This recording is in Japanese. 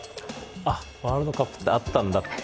あっ、ワールドカップってあったんだって